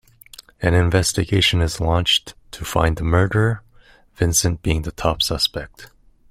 An investigation is launched to find the murderer, Vincent being the top suspect.